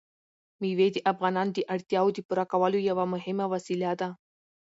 مېوې د افغانانو د اړتیاوو د پوره کولو یوه مهمه وسیله ده.